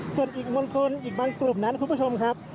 ส่วนอีกมณฑลอีกบางกลุ่มนั้นคุณผู้ชมครับ